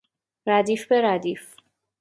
ردیف به ردیف